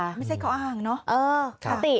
ไม่ใช่ข้ออ้างเนอะ